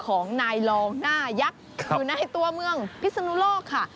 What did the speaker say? ของนายลองหน้ายักษ์อยู่ในตัวเมืองพิศนุโลกค่ะ